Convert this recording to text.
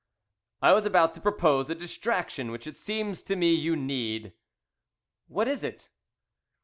"I was about to propose a distraction which it seems to me you need." "What is it?"